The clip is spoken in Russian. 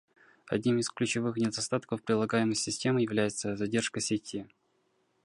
Одним из ключевых недостатков предлагаемой системы является задержка сети